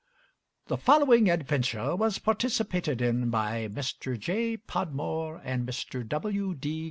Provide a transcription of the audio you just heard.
The following adventure was participated in by Mr. J. Podmore and Mr. W. D.